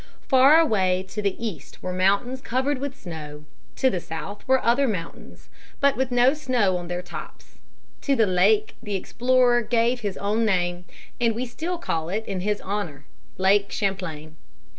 Far away to the east were mountains covered with snow. To the south were other mountains, but with no snow on their tops. To the lake the explorer gave his own name, and we still call it in his honor, Lake Champlain.